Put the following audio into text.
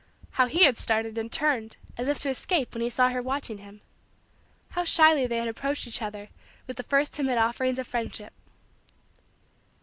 How he had started and turned as if to escape when he saw her watching him! How shyly they had approached each other with the first timid offerings of friendship!